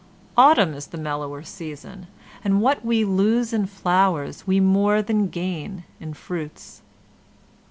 Autumn is the mellower season, and what we lose in flowers we more than gain in fruits.